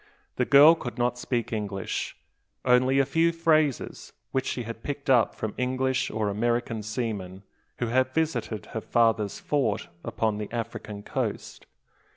The girl could not speak English, only a few phrases which she had picked up from English or American seamen, who had visited her father's fort upon the African coast.